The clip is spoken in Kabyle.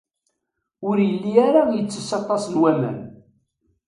Ur yelli ara yettess aṭas n waman.